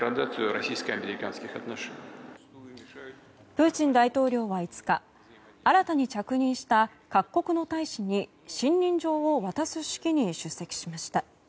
プーチン大統領は５日新たに着任した各国の大使に信任状を渡す式に出席しました。